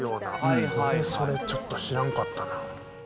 のれそれ、ちょっと知らんかったな。